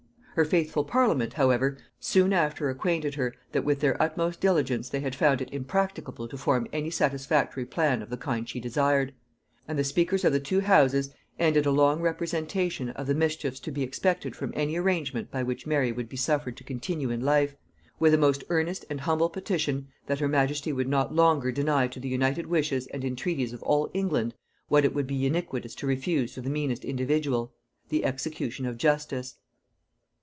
Her faithful parliament, however, soon after acquainted her, that with their utmost diligence they had found it impracticable to form any satisfactory plan of the kind she desired; and the speakers of the two houses ended a long representation of the mischiefs to be expected from any arrangement by which Mary would be suffered to continue in life, with a most earnest and humble petition, that her majesty would not longer deny to the united wishes and entreaties of all England, what it would be iniquitous to refuse to the meanest individual; the execution of justice.